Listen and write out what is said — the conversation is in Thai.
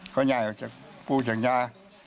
คนนี้จะปูเฉียงยา